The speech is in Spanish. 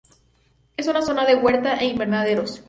Es una zona de huerta e invernaderos.